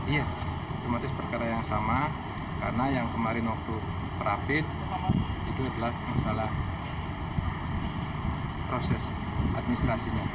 iya otomatis perkara yang sama karena yang kemarin waktu terapit itu adalah masalah proses administrasinya